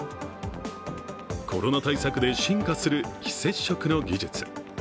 コロナ対策で進化する非接触の技術。